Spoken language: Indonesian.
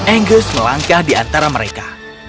engus melangkah di antara mereka